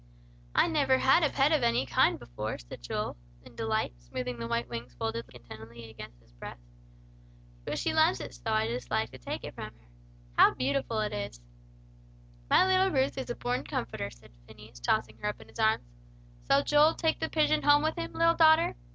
"I never had a pet of any kind before," said Joel, in delight, smoothing the white wings folded contentedly against his breast. "But she loves it so, I dislike to take it from her. How beautiful it is!" "My little Ruth is a born comforter," said Phineas, tossing her up in his arms. "Shall Joel take the pigeon home with him, little daughter?"